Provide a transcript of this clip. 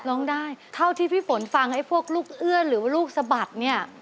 ร้องได้เท่าที่พี่ฝนฟังไอ้พวกลูกเอื้อนหรือว่าลูกสะบัดเนี่ย